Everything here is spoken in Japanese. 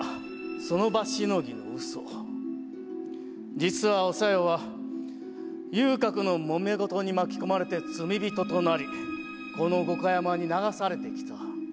実はお小夜は遊郭のもめ事に巻き込まれて罪人となりこの五箇山に流されてきた。